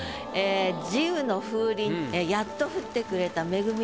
「慈雨の風鈴」やっと降ってくれた恵みの雨。